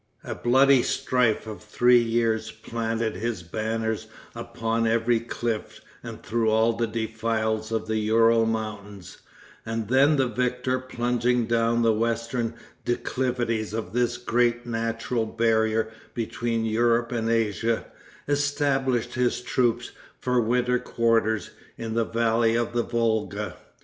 A bloody strife of three years planted his banners upon every cliff and through all the defiles of the Ural mountains, and then the victor plunging down the western declivities of this great natural barrier between Europe and Asia, established his troops, for winter quarters, in the valley of the Volga.